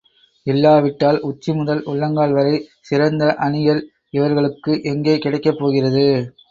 இல்லாவிட்டால் உச்சி முதல் உள்ளங்கால் வரை சிறந்த அணிகள் இவர்களுக்கு எங்கே கிடைக்கப்போகிறது?